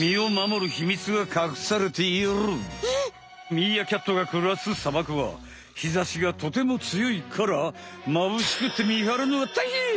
ミーアキャットがくらす砂漠はひざしがとてもつよいからまぶしくって見はるのがたいへん。